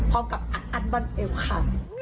พบกับอัดบันเอวคัม